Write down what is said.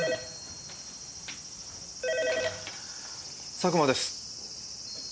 佐久間です。